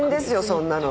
そんなの。